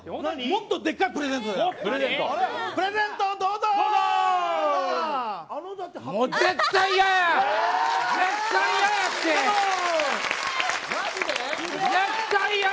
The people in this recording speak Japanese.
もっとでかいプレゼントだよ。